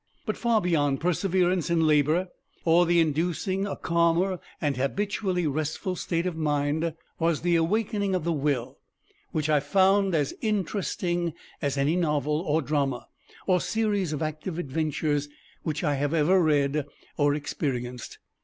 But far beyond perseverance in labor, or the inducing a calmer and habitually restful state of mind, was the Awakening of the Will, which I found as interesting as any novel or drama, or series of active adventures which I have ever read or experienced.